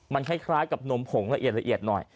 มันคล้ายกับนมผงระเอียดหน่อย